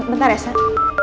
bentar ya set